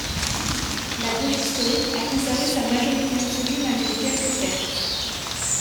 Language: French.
La Gauche historique a conservé sa majorité absolue malgré quelques pertes.